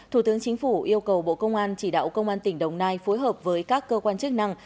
thủ tướng chính phủ yêu cầu bộ công an chỉ đạo công an tỉnh đồng nai phối hợp với các cơ quan chức năng